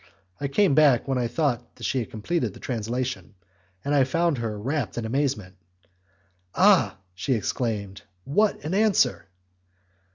I came back when I thought that she had completed her translation, and I found her wrapped in amazement. "Ah, sir!" she exclaimed, "what an answer!"